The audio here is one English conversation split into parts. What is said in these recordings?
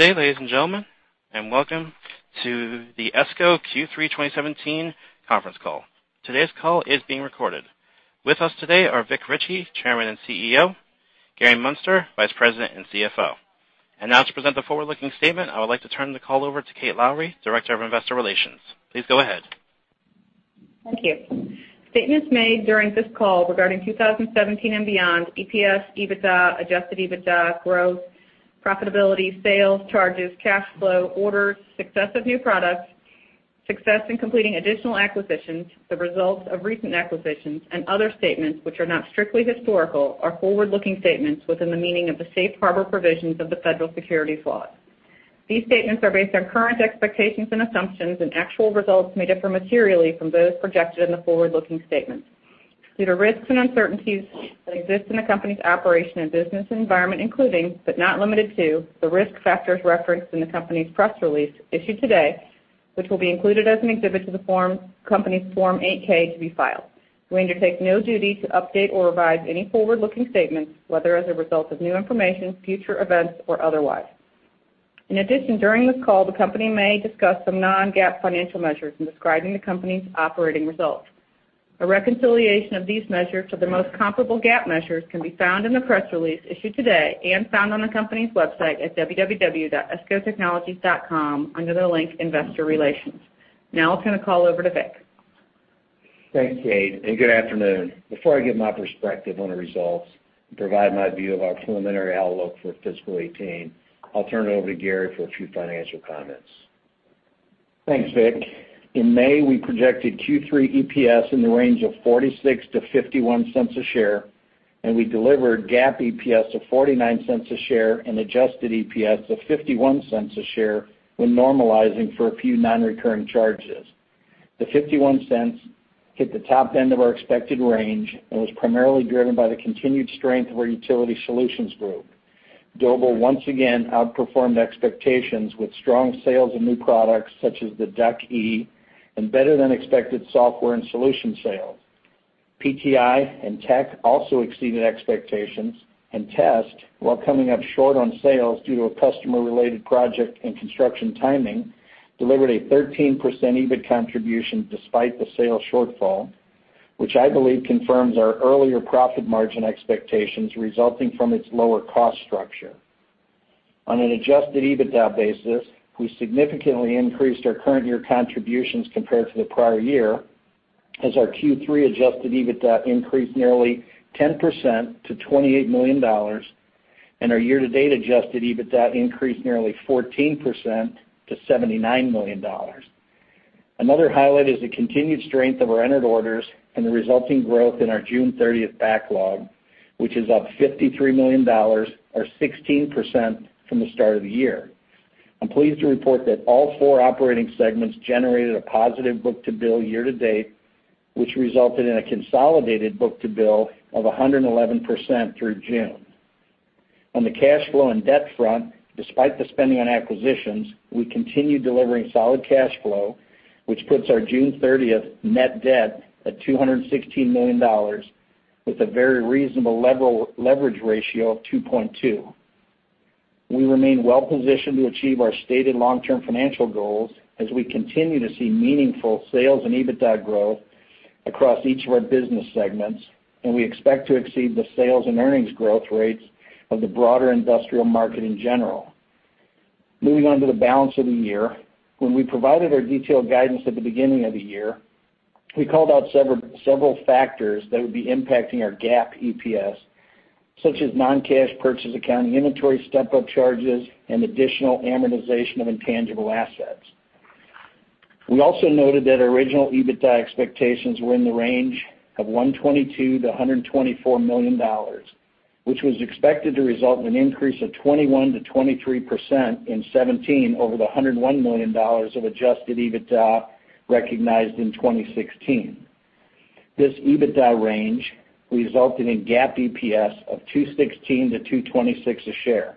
Today, ladies and gentlemen, and welcome to the ESCO Q3 2017 conference call. Today's call is being recorded. With us today are Vic Richey, Chairman and CEO, Gary Muenster, Vice President and CFO. And now to present the forward-looking statement, I would like to turn the call over to Kate Lowrey, Director of Investor Relations. Please go ahead. Thank you. Statement is made during this call regarding 2017 and beyond EPS, EBITDA, adjusted EBITDA, growth, profitability, sales charges, cash flow, orders, success of new products, success in completing additional acquisitions, the results of recent acquisitions, and other statements which are not strictly historical, are forward-looking statements within the meaning of the safe harbor provisions of the Federal Securities Laws. These statements are based on current expectations and assumptions, and actual results may differ materially from those projected in the forward-looking statements. Due to risks and uncertainties that exist in the company's operation and business environment, including, but not limited to, the risk factors referenced in the company's press release issued today, which will be included as an exhibit to the company's Form 8-K to be filed, we undertake no duty to update or revise any forward-looking statements, whether as a result of new information, future events, or otherwise. In addition, during this call, the company may discuss some non-GAAP financial measures in describing the company's operating results. A reconciliation of these measures to the most comparable GAAP measures can be found in the press release issued today and found on the company's website at www.escotechnologies.com under the link Investor Relations. Now I'll turn the call over to Vic. Thanks, Kate, and good afternoon. Before I give my perspective on the results and provide my view of our preliminary outlook for fiscal 2018, I'll turn it over to Gary for a few financial comments. Thanks, Vic. In May, we projected Q3 EPS in the range of $0.46-$0.51 a share, and we delivered GAAP EPS of $0.49 a share and adjusted EPS of $0.51 a share when normalizing for a few non-recurring charges. The $0.51 hit the top end of our expected range and was primarily driven by the continued strength of our utility solutions group. Doble, once again, outperformed expectations with strong sales of new products such as the DUCe and better-than-expected software and solution sales. PTI and TEC also exceeded expectations, and Test, while coming up short on sales due to a customer-related project and construction timing, delivered a 13% EBIT contribution despite the sales shortfall, which I believe confirms our earlier profit margin expectations resulting from its lower cost structure. On an adjusted EBITDA basis, we significantly increased our current year contributions compared to the prior year as our Q3 adjusted EBITDA increased nearly 10% to $28 million, and our year-to-date adjusted EBITDA increased nearly 14% to $79 million. Another highlight is the continued strength of our entered orders and the resulting growth in our June 30th backlog, which is up $53 million, or 16% from the start of the year. I'm pleased to report that all four operating segments generated a positive book-to-bill year-to-date, which resulted in a consolidated book-to-bill of 111% through June. On the cash flow and debt front, despite the spending on acquisitions, we continue delivering solid cash flow, which puts our June 30th net debt at $216 million with a very reasonable leverage ratio of 2.2. We remain well-positioned to achieve our stated long-term financial goals as we continue to see meaningful sales and EBITDA growth across each of our business segments, and we expect to exceed the sales and earnings growth rates of the broader industrial market in general. Moving on to the balance of the year, when we provided our detailed guidance at the beginning of the year, we called out several factors that would be impacting our GAAP EPS, such as non-cash purchase accounting inventory step-up charges and additional amortization of intangible assets. We also noted that our original EBITDA expectations were in the range of $122-$124 million, which was expected to result in an increase of 21%-23% in 2017 over the $101 million of adjusted EBITDA recognized in 2016. This EBITDA range resulted in GAAP EPS of $2.16-$2.26 a share.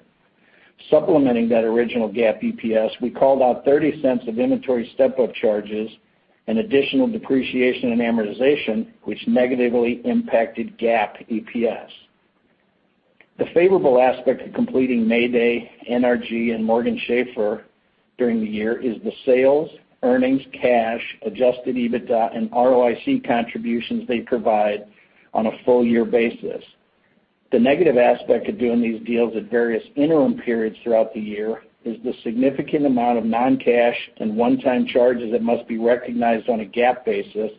Supplementing that original GAAP EPS, we called out $0.30 of inventory step-up charges and additional depreciation and amortization, which negatively impacted GAAP EPS. The favorable aspect of completing Mayday, NRG, and Morgan Schaffer during the year is the sales, earnings, cash, adjusted EBITDA, and ROIC contributions they provide on a full-year basis. The negative aspect of doing these deals at various interim periods throughout the year is the significant amount of non-cash and one-time charges that must be recognized on a GAAP basis,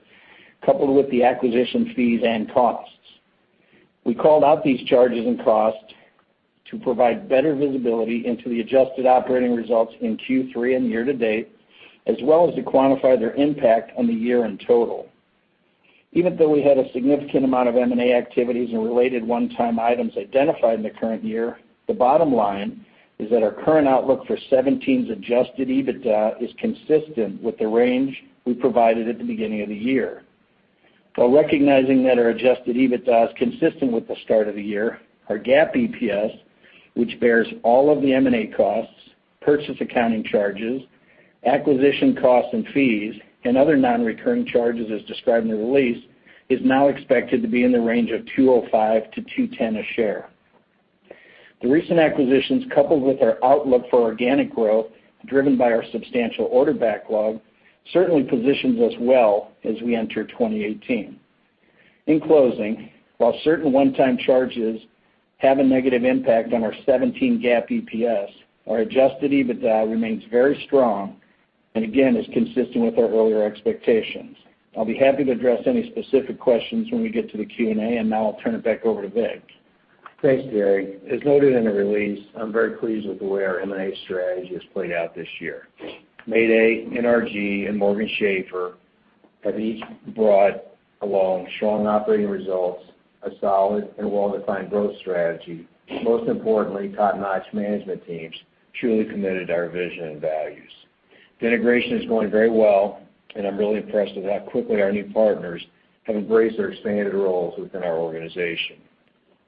coupled with the acquisition fees and costs. We called out these charges and costs to provide better visibility into the adjusted operating results in Q3 and year-to-date, as well as to quantify their impact on the year in total. Even though we had a significant amount of M&A activities and related one-time items identified in the current year, the bottom line is that our current outlook for 2017's adjusted EBITDA is consistent with the range we provided at the beginning of the year. While recognizing that our adjusted EBITDA is consistent with the start of the year, our GAAP EPS, which bears all of the M&A costs, purchase accounting charges, acquisition costs and fees, and other non-recurring charges as described in the release, is now expected to be in the range of $2.05-$2.10 a share. The recent acquisitions, coupled with our outlook for organic growth driven by our substantial order backlog, certainly positions us well as we enter 2018. In closing, while certain one-time charges have a negative impact on our 2017 GAAP EPS, our adjusted EBITDA remains very strong and, again, is consistent with our earlier expectations. I'll be happy to address any specific questions when we get to the Q&A, and now I'll turn it back over to Vic. Thanks, Gary. As noted in the release, I'm very pleased with the way our M&A strategy has played out this year. Mayday, NRG, and Morgan Schaffer have each brought along strong operating results, a solid and well-defined growth strategy, and most importantly, top-notch management teams truly committed to our vision and values. The integration is going very well, and I'm really impressed with how quickly our new partners have embraced their expanded roles within our organization.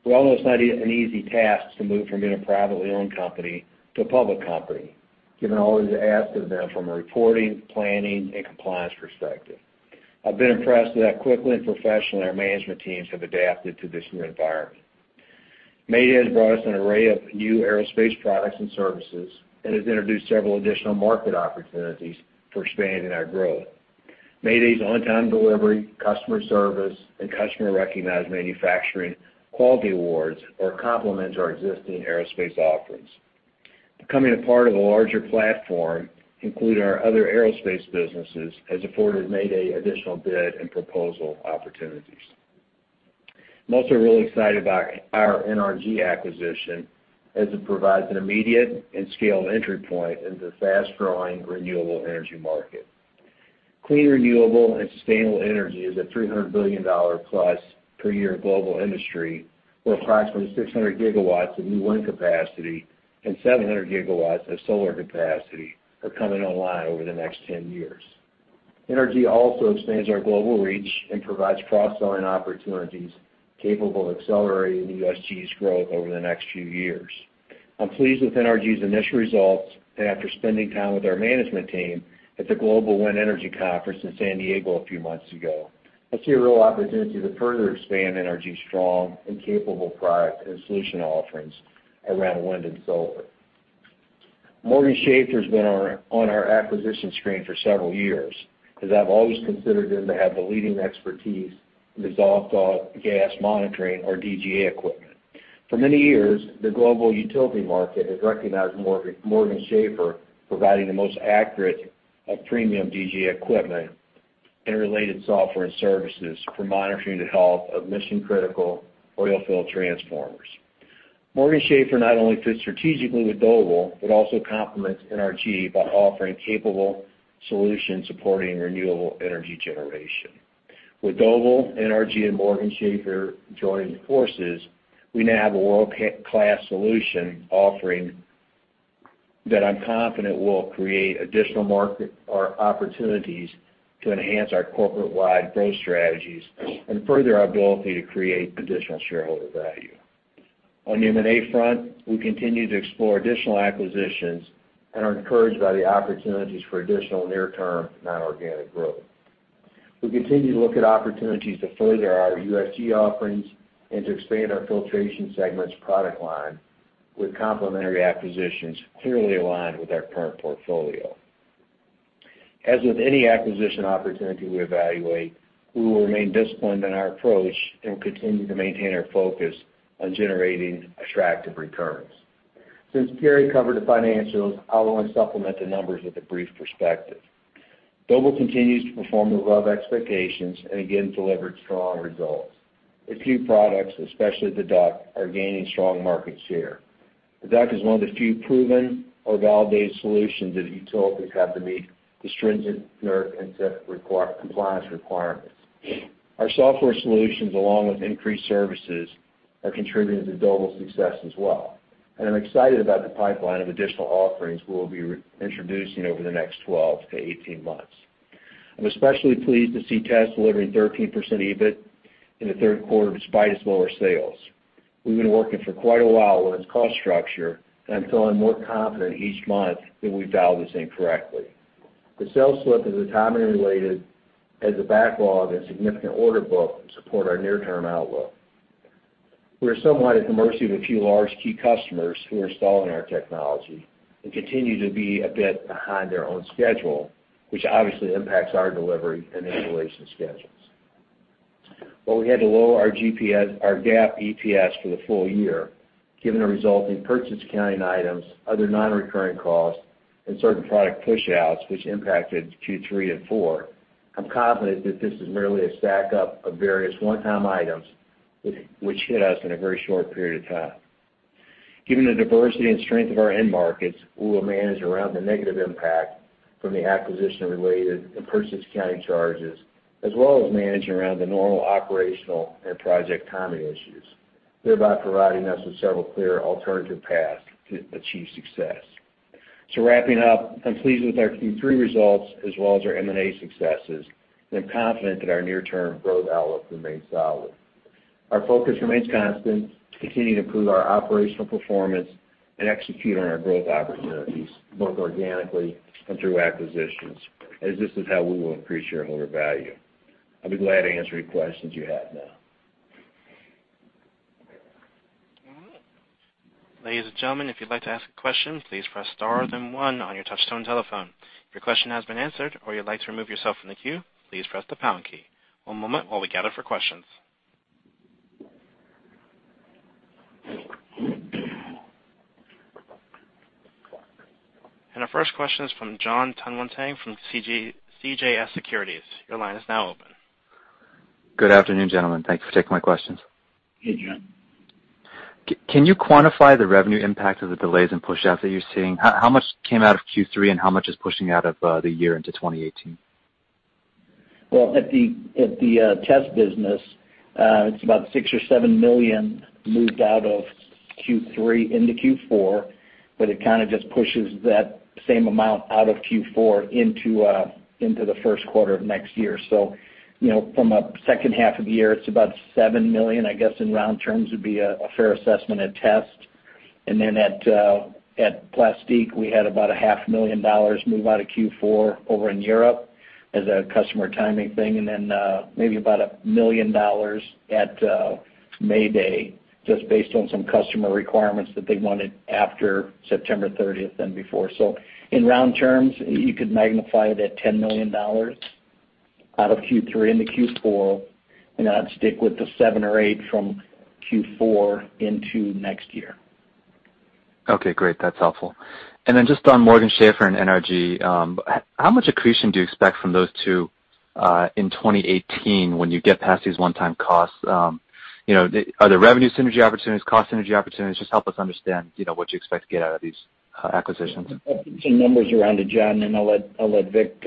We all know it's not an easy task to move from being a privately owned company to a public company, given all that is asked of them from a reporting, planning, and compliance perspective. I've been impressed with how quickly and professionally our management teams have adapted to this new environment. Mayday has brought us an array of new aerospace products and services and has introduced several additional market opportunities for expanding our growth. Mayday's on-time delivery, customer service, and customer-recognized manufacturing quality awards complement our existing aerospace offerings. Becoming a part of a larger platform, including our other aerospace businesses, has afforded Mayday additional bid and proposal opportunities. I'm also really excited about our NRG acquisition as it provides an immediate and scalable entry point into the fast-growing renewable energy market. Clean renewable and sustainable energy is a $300 billion+ per year global industry, where approximately 600 gigawatts of new wind capacity and 700 gigawatts of solar capacity are coming online over the next 10 years. NRG also expands our global reach and provides cross-selling opportunities capable of accelerating USG's growth over the next few years. I'm pleased with NRG's initial results and after spending time with our management team at the Global Wind Energy Conference in San Diego a few months ago, I see a real opportunity to further expand NRG's strong and capable product and solution offerings around wind and solar. Morgan Schaffer has been on our acquisition screen for several years as I've always considered them to have the leading expertise in dissolved gas monitoring, or DGA, equipment. For many years, the global utility market has recognized Morgan Schaffer providing the most accurate and premium DGA equipment and related software and services for monitoring the health of mission-critical oil-filled transformers. Morgan Schaffer not only fits strategically with Doble but also complements NRG by offering capable solutions supporting renewable energy generation. With Doble, NRG, and Morgan Schaffer joining forces, we now have a world-class solution that I'm confident will create additional opportunities to enhance our corporate-wide growth strategies and further our ability to create additional shareholder value. On the M&A front, we continue to explore additional acquisitions and are encouraged by the opportunities for additional near-term non-organic growth. We continue to look at opportunities to further our USG offerings and to expand our filtration segment's product line with complementary acquisitions clearly aligned with our current portfolio. As with any acquisition opportunity we evaluate, we will remain disciplined in our approach and continue to maintain our focus on generating attractive returns. Since Gary covered the financials, I'll only supplement the numbers with a brief perspective. Doble continues to perform above expectations and, again, delivered strong results. Its new products, especially the DUC, are gaining strong market share. The DUC is one of the few proven or validated solutions that utilities have to meet the stringent NERC CIP compliance requirements. Our software solutions, along with increased services, are contributing to Doble's success as well, and I'm excited about the pipeline of additional offerings we will be introducing over the next 12-18 months. I'm especially pleased to see Test delivering 13% EBIT in the third quarter despite its lower sales. We've been working for quite a while on its cost structure, and I'm feeling more confident each month that we've validated this incorrectly. The sales slip is autonomy-related as the backlog and significant order book support our near-term outlook. We are somewhat at the mercy of a few large key customers who are installing our technology and continue to be a bit behind their own schedule, which obviously impacts our delivery and installation schedules. While we had to lower our GAAP EPS for the full year, given the resulting purchase accounting items, other non-recurring costs, and certain product push-outs, which impacted Q3 and Q4, I'm confident that this is merely a stack up of various one-time items which hit us in a very short period of time. Given the diversity and strength of our end markets, we will manage around the negative impact from the acquisition-related and purchase accounting charges, as well as manage around the normal operational and project timing issues, thereby providing us with several clear alternative paths to achieve success. So wrapping up, I'm pleased with our Q3 results as well as our M&A successes, and I'm confident that our near-term growth outlook remains solid. Our focus remains constant to continue to improve our operational performance and execute on our growth opportunities, both organically and through acquisitions, as this is how we will increase shareholder value. I'll be glad to answer any questions you have now. All right. Ladies and gentlemen, if you'd like to ask a question, please press star then one on your touch-tone telephone. If your question has been answered or you'd like to remove yourself from the queue, please press the pound key. One moment while we gather for questions. Our first question is from Jon Tanwanteng from CJS Securities. Your line is now open. Good afternoon, gentlemen. Thank you for taking my questions. Hey, Jon. Can you quantify the revenue impact of the delays and push-outs that you're seeing? How much came out of Q3, and how much is pushing out of the year into 2018? Well, at the Test business, it's about $6-$7 million moved out of Q3 into Q4, but it kind of just pushes that same amount out of Q4 into the first quarter of next year. So from a second half of the year, it's about $7 million, I guess in round terms would be a fair assessment at Test. And then at Plastique, we had about $500,000 move out of Q4 over in Europe as a customer timing thing, and then maybe about $1 million at Mayday just based on some customer requirements that they wanted after September 30th and before. So in round terms, you could magnify it at $10 million out of Q3 into Q4, and then I'd stick with the $7-$8 million from Q4 into next year. Okay. Great. That's helpful. And then just on Morgan Schaffer and NRG, how much accretion do you expect from those two in 2018 when you get past these one-time costs? Are there revenue synergy opportunities, cost synergy opportunities? Just help us understand what you expect to get out of these acquisitions. I'll put some numbers around to Jon, and then I'll let Vic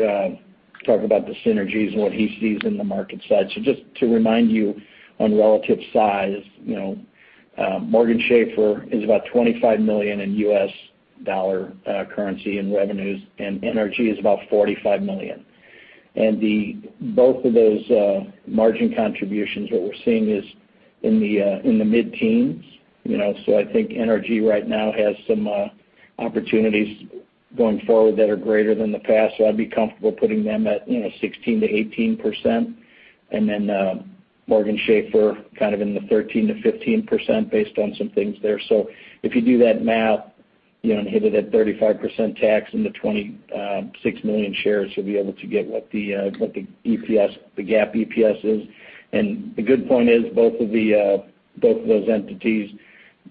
talk about the synergies and what he sees in the market side. So just to remind you on relative size, Morgan Schaffer is about $25 million in revenues, and NRG is about $45 million. And both of those margin contributions, what we're seeing is in the mid-teens. So I think NRG right now has some opportunities going forward that are greater than the past, so I'd be comfortable putting them at 16%-18%, and then Morgan Schaffer kind of in the 13%-15% based on some things there. So if you do that math and hit it at 35% tax into 26 million shares, you'll be able to get what the GAAP EPS is. And the good point is both of those entities,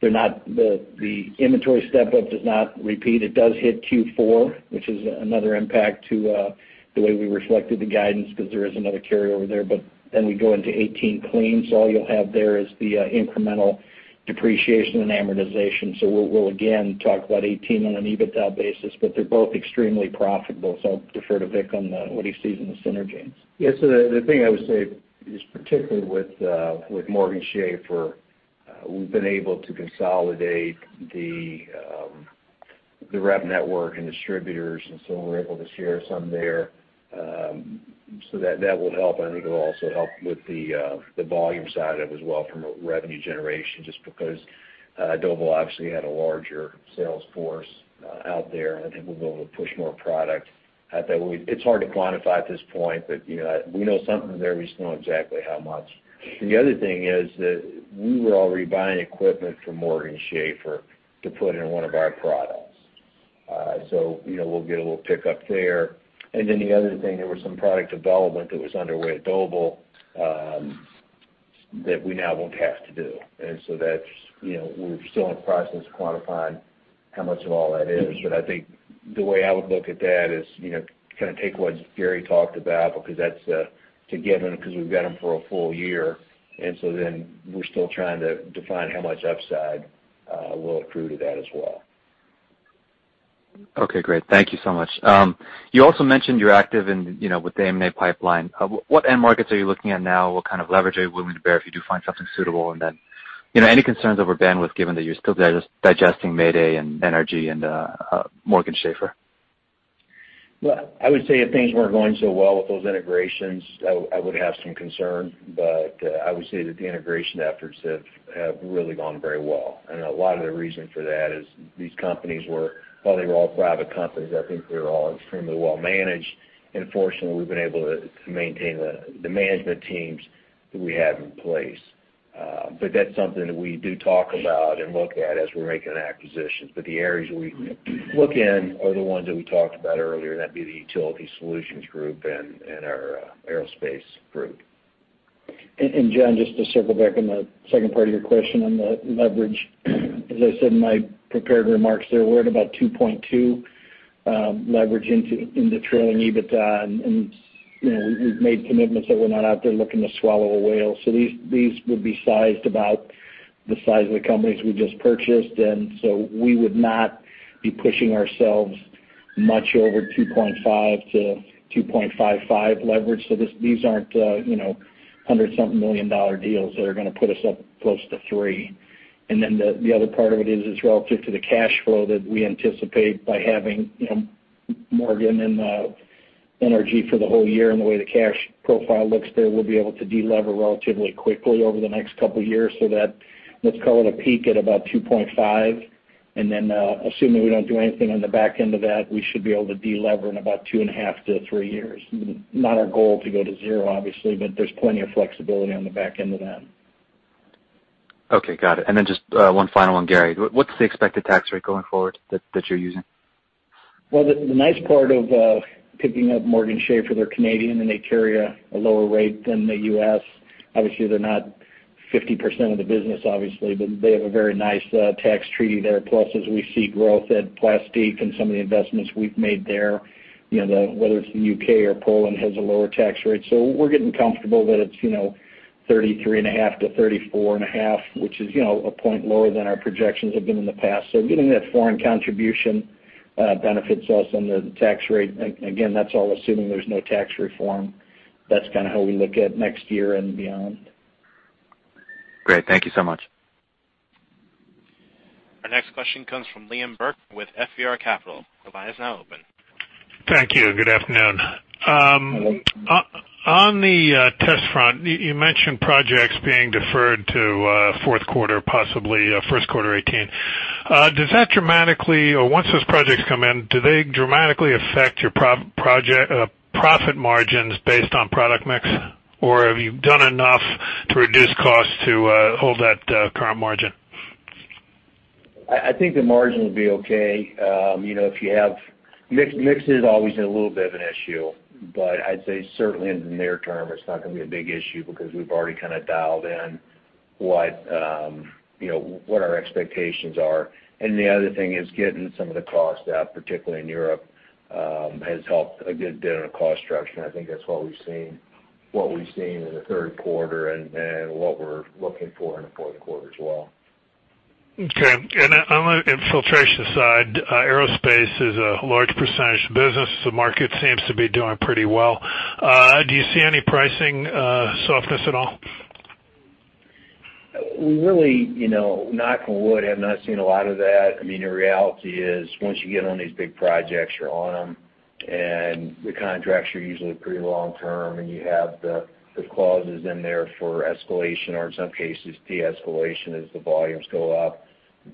the inventory step-up does not repeat. It does hit Q4, which is another impact to the way we reflected the guidance because there is another carryover there. But then we go into 2018 clean, so all you'll have there is the incremental depreciation and amortization. So we'll, again, talk about 2018 on an EBITDA basis, but they're both extremely profitable. So I'll defer to Vic on what he sees in the synergies. Yeah. So the thing I would say is particularly with Morgan Schaffer, we've been able to consolidate the rep network and distributors, and so we're able to share some there. So that will help. I think it'll also help with the volume side of it as well from revenue generation just because Doble obviously had a larger sales force out there, and I think we'll be able to push more product. It's hard to quantify at this point, but we know something there. We just don't know exactly how much. The other thing is that we were already buying equipment from Morgan Schaffer to put in one of our products. So we'll get a little pickup there. And then the other thing, there was some product development that was underway at Doble that we now won't have to do. We're still in the process of quantifying how much of all that is. But I think the way I would look at that is kind of take what Gary talked about because that's a given because we've got them for a full year. We're still trying to define how much upside will accrue to that as well. Okay. Great. Thank you so much. You also mentioned you're active with the M&A pipeline. What end markets are you looking at now? What kind of leverage are you willing to bear if you do find something suitable? Then any concerns over bandwidth given that you're still digesting Mayday and NRG and Morgan Schaffer? Well, I would say if things weren't going so well with those integrations, I would have some concern. I would say that the integration efforts have really gone very well. A lot of the reason for that is these companies were, while they were all private companies, I think they were all extremely well-managed. Fortunately, we've been able to maintain the management teams that we have in place. That's something that we do talk about and look at as we're making an acquisition. The areas we look in are the ones that we talked about earlier, and that'd be the Utility Solutions Group and our aerospace group. Jon, just to circle back on the second part of your question on the leverage, as I said in my prepared remarks, they're worth about 2.2 leverage into trailing EBITDA. And we've made commitments that we're not out there looking to swallow a whale. So these would be sized about the size of the companies we just purchased. And so we would not be pushing ourselves much over 2.5-2.55 leverage. So these aren't $100-something million deals that are going to put us up close to three. And then the other part of it is it's relative to the cash flow that we anticipate by having Morgan and NRG for the whole year. And the way the cash profile looks there, we'll be able to delever relatively quickly over the next couple of years. So let's call it a peak at about 2.5. And then assuming we don't do anything on the back end of that, we should be able to delever in about 2.5 to three years. Not our goal to go to zero, obviously, but there's plenty of flexibility on the back end of that. Okay. Got it. And then just one final one, Gary. What's the expected tax rate going forward that you're using? Well, the nice part of picking up Morgan Schaffer, they're Canadian, and they carry a lower rate than the U.S. Obviously, they're not 50% of the business, obviously, but they have a very nice tax treaty there. Plus, as we see growth at Plastique and some of the investments we've made there, whether it's the U.K. or Poland has a lower tax rate. So we're getting comfortable that it's 33.5%-34.5%, which is a point lower than our projections have been in the past. So getting that foreign contribution benefits us on the tax rate. Again, that's all assuming there's no tax reform. That's kind of how we look at next year and beyond. Great. Thank you so much. Our next question comes from Liam Burke with FBR Capital. The line is now open. Thank you. Good afternoon. On the Test front, you mentioned projects being deferred to fourth quarter, possibly first quarter 2018. Does that dramatically or once those projects come in, do they dramatically affect your profit margins based on product mix? Or have you done enough to reduce costs to hold that current margin? I think the margin will be okay. If you have mixes, always a little bit of an issue. But I'd say certainly in the near term, it's not going to be a big issue because we've already kind of dialed in what our expectations are. And the other thing is getting some of the costs out, particularly in Europe, has helped a good bit on the cost structure. And I think that's what we've seen in the third quarter and what we're looking for in the fourth quarter as well. Okay. On the filtration side, aerospace is a large percentage of the business. The market seems to be doing pretty well. Do you see any pricing softness at all? Really, knock on wood, I have not seen a lot of that. I mean, the reality is once you get on these big projects, you're on them, and the contracts are usually pretty long-term, and you have the clauses in there for escalation or, in some cases, de-escalation as the volumes go up.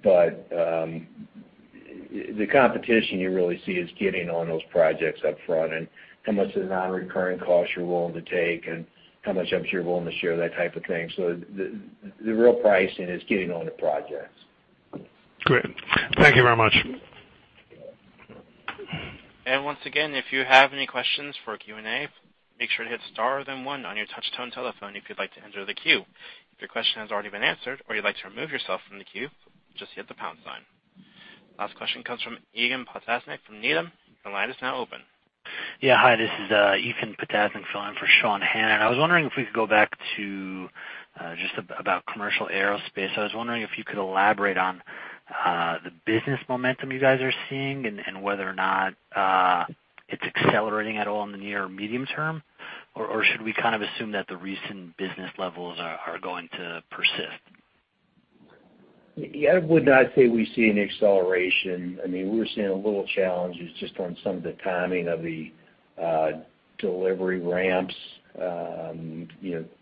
But the competition you really see is getting on those projects upfront and how much of the non-recurring costs you're willing to take and how much up you're willing to share, that type of thing. So the real pricing is getting on the projects. Great. Thank you very much. And once again, if you have any questions for Q&A, make sure to hit star then one on your touch-tone telephone if you'd like to enter the queue. If your question has already been answered or you'd like to remove yourself from the queue, just hit the pound sign. Last question comes from Ethan Potasnick from Needham. The line is now open. Yeah. Hi. This is Ethan Potasnick. I'm filling in for Sean Hannan. I was wondering if we could go back to just about commercial aerospace. I was wondering if you could elaborate on the business momentum you guys are seeing and whether or not it's accelerating at all in the near or medium term, or should we kind of assume that the recent business levels are going to persist? Yeah. I would not say we see an acceleration. I mean, we're seeing a little challenges just on some of the timing of the delivery ramps, the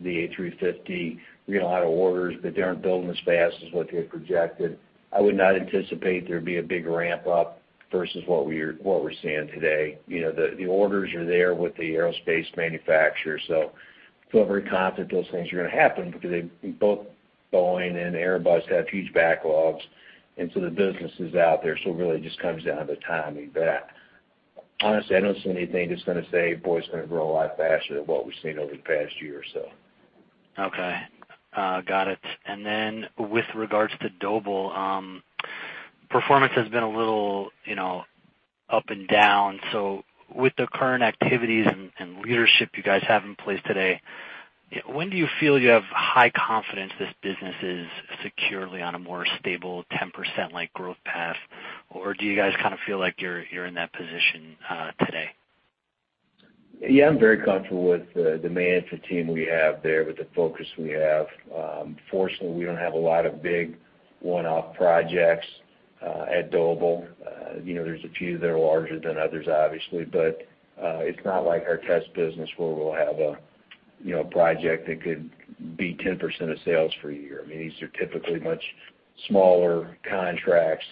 A350. We get a lot of orders, but they aren't building as fast as what they projected. I would not anticipate there'd be a big ramp-up versus what we're seeing today. The orders are there with the aerospace manufacturer, so we're very confident those things are going to happen because both Boeing and Airbus have huge backlogs. And so the business is out there. So it really just comes down to timing that. Honestly, I don't see anything that's going to say, "Boy, it's going to grow a lot faster," than what we've seen over the past year or so. Okay. Got it. And then with regards to Doble, performance has been a little up and down. So with the current activities and leadership you guys have in place today, when do you feel you have high confidence this business is securely on a more stable 10% growth path? Or do you guys kind of feel like you're in that position today? Yeah. I'm very comfortable with the management team we have there, with the focus we have. Fortunately, we don't have a lot of big one-off projects at Doble. There's a few that are larger than others, obviously. But it's not like our Test business where we'll have a project that could be 10% of sales for a year. I mean, these are typically much smaller contracts,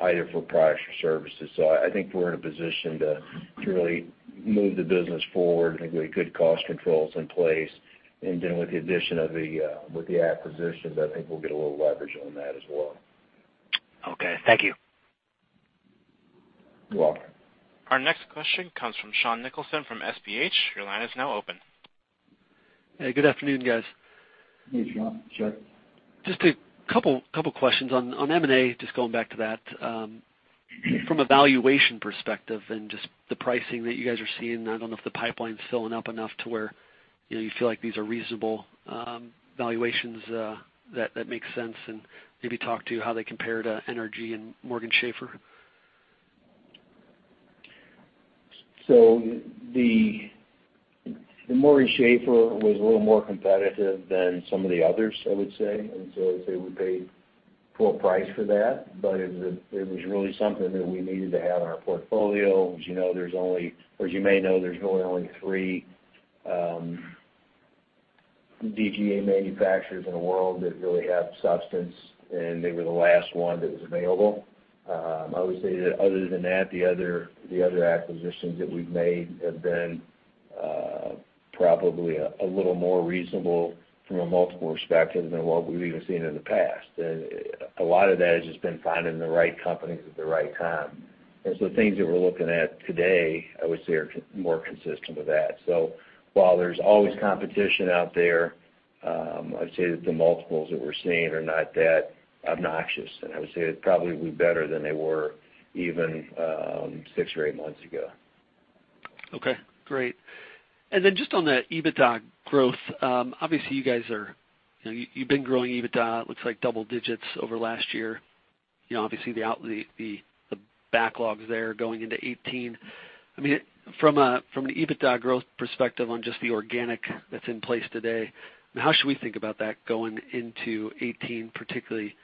either for products or services. So I think we're in a position to really move the business forward. I think we have good cost controls in place. And then with the addition of the acquisitions, I think we'll get a little leverage on that as well. Okay. Thank you. You're welcome. Our next question comes from Sean Nicholson from SBH. Your line is now open. Hey. Good afternoon, guys. Hey, Sean. Sure. Just a couple of questions on M&A, just going back to that. From a valuation perspective and just the pricing that you guys are seeing, I don't know if the pipeline's filling up enough to where you feel like these are reasonable valuations that make sense. And maybe talk to how they compare to NRG and Morgan Schaffer. The Morgan Schaffer was a little more competitive than some of the others, I would say. I'd say we paid full price for that. But it was really something that we needed to have in our portfolio. As you know, there's only or as you may know, there's really only three DGA manufacturers in the world that really have substance, and they were the last one that was available. I would say that other than that, the other acquisitions that we've made have been probably a little more reasonable from a multiple perspective than what we've even seen in the past. A lot of that has just been finding the right companies at the right time. Things that we're looking at today, I would say, are more consistent with that. While there's always competition out there, I'd say that the multiples that we're seeing are not that obnoxious. I would say it probably would be better than they were even six or eight months ago. Okay. Great. And then just on the EBITDA growth, obviously, you guys have been growing EBITDA, it looks like, double digits over last year. Obviously, the backlogs there going into 2018. I mean, from an EBITDA growth perspective on just the organic that's in place today, how should we think about that going into 2018, particularly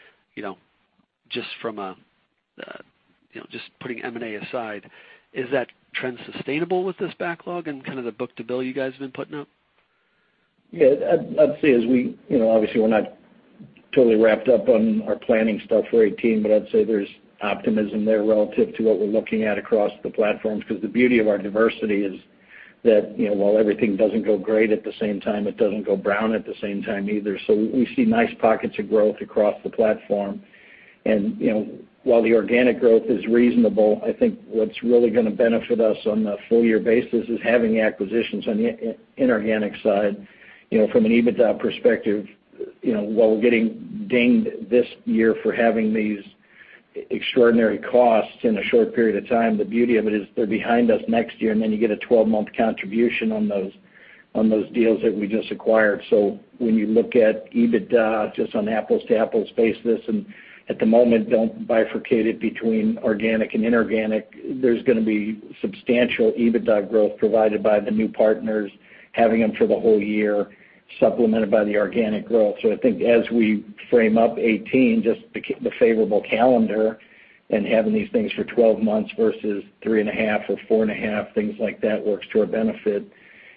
just from putting M&A aside? Is that trend sustainable with this backlog and kind of the book-to-bill you guys have been putting up? Yeah. I'd say as we obviously, we're not totally wrapped up on our planning stuff for 2018, but I'd say there's optimism there relative to what we're looking at across the platforms because the beauty of our diversity is that while everything doesn't go great at the same time, it doesn't go brown at the same time either. So we see nice pockets of growth across the platform. And while the organic growth is reasonable, I think what's really going to benefit us on the full-year basis is having acquisitions on the inorganic side. From an EBITDA perspective, while we're getting dinged this year for having these extraordinary costs in a short period of time, the beauty of it is they're behind us next year. And then you get a 12 month contribution on those deals that we just acquired. So when you look at EBITDA just on apples-to-apples basis and at the moment, don't bifurcate it between organic and inorganic. There's going to be substantial EBITDA growth provided by the new partners, having them for the whole year, supplemented by the organic growth. So I think as we frame up 2018, just the favorable calendar and having these things for 12 months versus 3.5 or 4.5, things like that works to our benefit.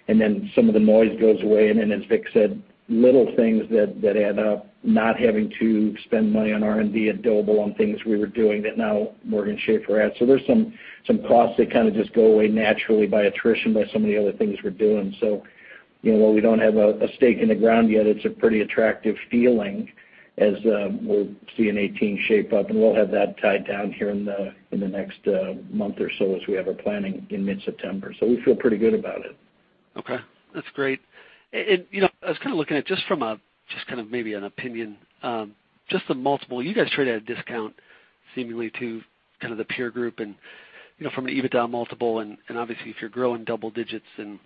And then some of the noise goes away. And then, as Vic said, little things that add up, not having to spend money on R&D at Doble, on things we were doing that now Morgan Schaffer has. So there's some costs that kind of just go away naturally by attrition, by some of the other things we're doing. While we don't have a stake in the ground yet, it's a pretty attractive feeling as we're seeing 2018 shape up. We'll have that tied down here in the next month or so as we have our planning in mid-September. So we feel pretty good about it. Okay. That's great. And I was kind of looking at just from a just kind of maybe an opinion, just the multiple you guys trade at a discount seemingly to kind of the peer group. And from an EBITDA multiple, and obviously, if you're growing double digits, then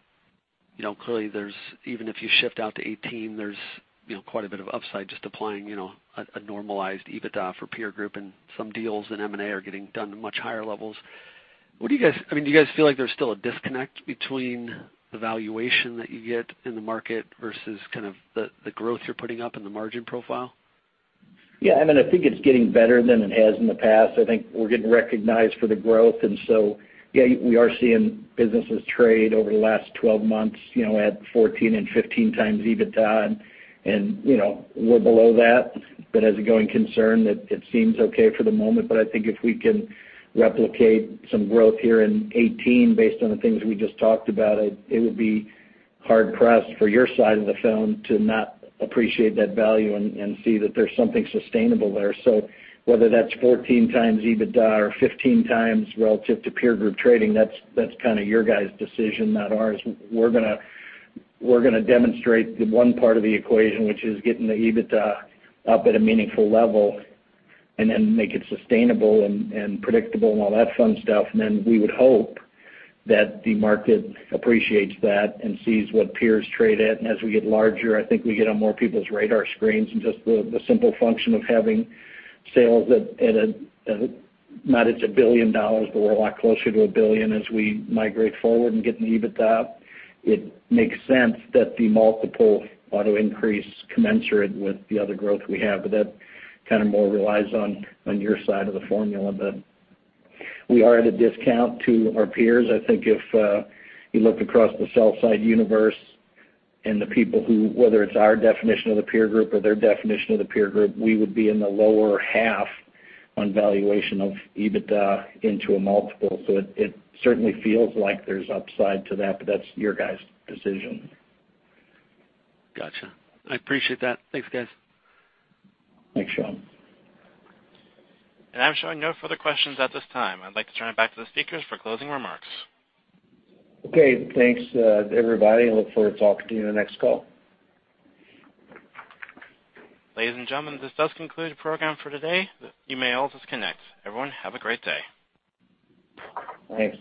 clearly, even if you shift out to 2018, there's quite a bit of upside just applying a normalized EBITDA for peer group. And some deals in M&A are getting done at much higher levels. What do you guys I mean, do you guys feel like there's still a disconnect between the valuation that you get in the market versus kind of the growth you're putting up and the margin profile? Yeah. I mean, I think it's getting better than it has in the past. I think we're getting recognized for the growth. And so, yeah, we are seeing businesses trade over the last 12 months at 14 and 15 times EBITDA. And we're below that. But as a growing concern, it seems okay for the moment. But I think if we can replicate some growth here in 2018 based on the things we just talked about, it would be hard-pressed for your side of the phone to not appreciate that value and see that there's something sustainable there. So whether that's 14 times EBITDA or 15 times relative to peer group trading, that's kind of your guys' decision, not ours. We're going to demonstrate one part of the equation, which is getting the EBITDA up at a meaningful level and then make it sustainable and predictable and all that fun stuff. And then we would hope that the market appreciates that and sees what peers trade at. And as we get larger, I think we get on more people's radar screens. And just the simple function of having sales at a not it's $1 billion, but we're a lot closer to $1 billion as we migrate forward and get an EBITDA, it makes sense that the multiple ought to increase commensurate with the other growth we have. But that kind of more relies on your side of the formula. But we are at a discount to our peers. I think if you look across the sell-side universe and the people who, whether it's our definition of the peer group or their definition of the peer group, we would be in the lower half on valuation of EBITDA into a multiple. So it certainly feels like there's upside to that, but that's your guys' decision. Gotcha. I appreciate that. Thanks, guys. Thanks, Sean. I'm showing no further questions at this time. I'd like to turn it back to the speakers for closing remarks. Okay. Thanks, everybody. I look forward to talking to you on the next call. Ladies and gentlemen, this does conclude the program for today. You may always disconnect. Everyone, have a great day. Thanks.